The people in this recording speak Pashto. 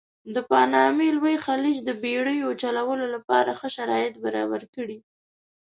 د پانامې لوی خلیج د بېړیو چلولو لپاره ښه شرایط برابر کړي.